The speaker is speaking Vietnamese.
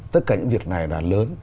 tất cả những việc này là lớn